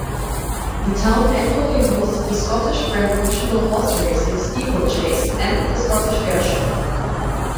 The town annually hosts the Scottish Grand National horse-racing steeplechase and the Scottish Airshow.